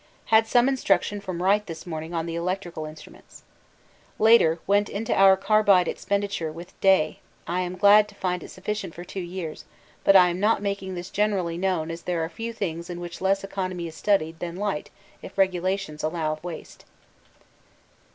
Had some instruction from Wright this morning on the electrical instruments. Later went into our carbide expenditure with Day: am glad to find it sufficient for two years, but am not making this generally known as there are few things in which economy is less studied than light if regulations allow of waste.